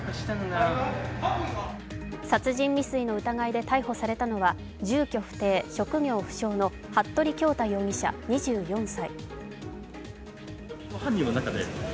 殺人未遂の疑いで逮捕されたのは住居不定・職業不詳の服部恭太容疑者２４歳。